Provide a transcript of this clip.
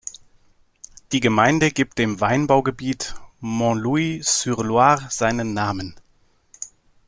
Die Gemeinde gibt dem Weinbaugebiet Montlouis-sur-Loire seinen Namen.